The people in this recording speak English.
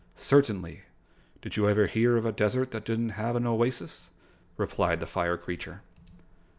"Certainly. Did you ever hear of a desert that didn't have an oasis?" replied the fire creature.